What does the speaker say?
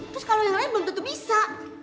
terus kalau yang lain belum tentu bisa